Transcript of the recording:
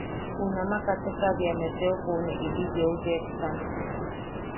Junama kateka bea ne teopou ne ili yeu yepsan.